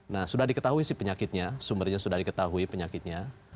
nah sudah diketahui sih penyakitnya sumbernya sudah diketahui penyakitnya